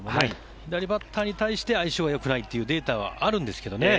左バッターに対して相性がよくないというデータはあるんですけどね。